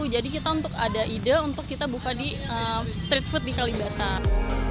jadi kita untuk ada ide untuk kita buka di street food di kalimantan